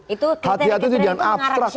itu kriteria kriteria itu mengarah ke siapa berarti